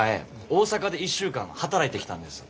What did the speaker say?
大阪で１週間働いてきたんです。